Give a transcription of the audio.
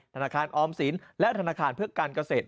ธนาคารออมสินและธนาคารเพื่อการเกษตร